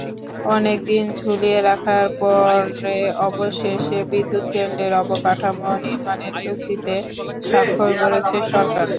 অনেক দিন ঝুলিয়ে রাখার পরে অবশেষে বিদ্যুৎকেন্দ্রের অবকাঠামো নির্মাণের চুক্তিতে স্বাক্ষর করেছে সরকার।